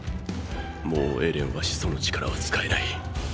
もうエレンは始祖の力は使えない。